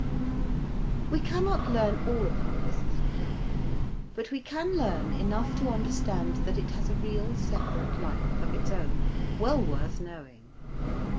We cannot learn all about this little flower, but we can learn enough to understand that it has a real separate life of its own, well worth knowing.